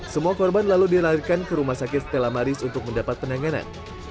semua korban lalu dilahirkan ke rumah sakit stella maris untuk mendapat penanganan